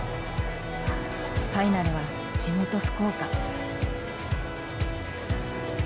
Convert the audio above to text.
ファイナルは地元福岡。